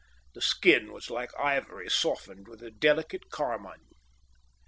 The skin was like ivory softened with a delicate carmine.